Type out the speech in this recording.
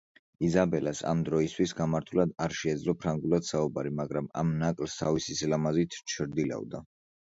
იზაბელას ამ დროისთვის გამართულად არ შეეძლო ფრანგულად საუბარი, მაგრამ ამ ნაკლს თავისი სილამაზით ჩრდილავდა.